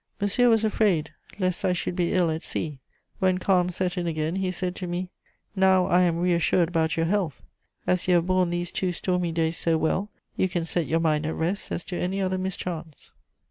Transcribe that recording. Monsieur was afraid lest I should be ill at sea; when calm set in again, he said to me: "'Now I am reassured about your health; as you have borne these two stormy days so well, you can set your mind at rest as to any other mischance.'